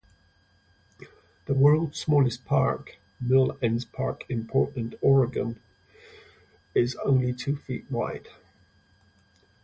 World's smallest park: Mill Ends Park in Portland, Oregon, is only two feet wide.